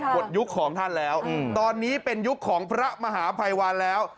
ยุคของท่านแล้วตอนนี้เป็นยุคของพระมหาภัยวันแล้ว